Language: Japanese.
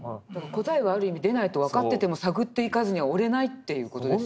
答えはある意味出ないと分かってても探っていかずにはおれないという事ですよね。